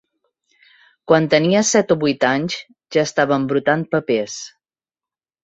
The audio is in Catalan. Quan tenia set o vuit anys ja estava embrutant papers.